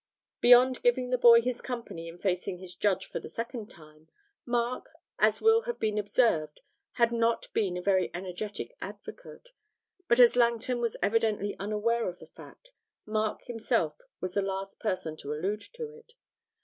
Beyond giving the boy his company in facing his judge for the second time, Mark, as will have been observed, had not been a very energetic advocate; but as Langton was evidently unaware of the fact, Mark himself was the last person to allude to it.